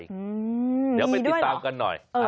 มีด้วยเหรอเดี๋ยวไปติดตามกันหน่อย